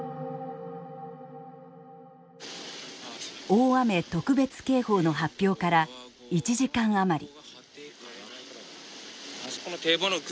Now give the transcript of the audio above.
大雨特別警報の発表から１時間余り。